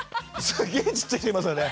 すげちっちゃい人いますよね。